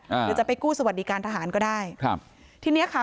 หรือจะไปกู้สวัสดิการทหารก็ได้ครับทีเนี้ยค่ะ